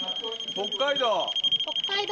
北海道。